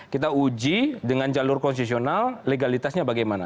kita uji dengan jalur konstitusional legalitasnya bagaimana